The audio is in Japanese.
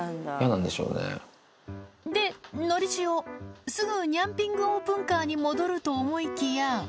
で、のりしお、すぐニャンピングオープンカーに戻ると思いきや。